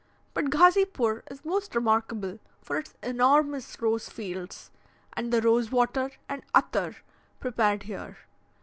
But Ghazipoor is most remarkable for its enormous rose fields, and the rose water and attar prepared here.